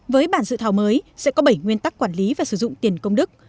với bản dự thảo mới sẽ có bảy nguyên tắc quản lý và sử dụng tiền công đức